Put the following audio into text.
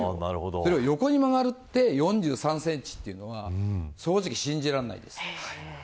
それが横に曲がって４３センチというのは正直、信じられないです。